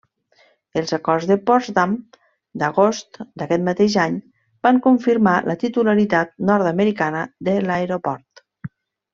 Els acords de Potsdam d'agost d'aquest mateix any van confirmar la titularitat nord-americana de l'aeroport.